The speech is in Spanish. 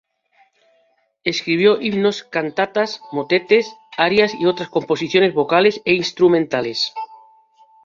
Escribió himnos, cantatas, motetes, arias y otras composiciones vocales e instrumentales.